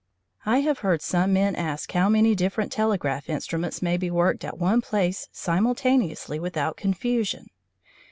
I have heard some men ask how many different telegraph instruments may be worked at one place simultaneously without confusion.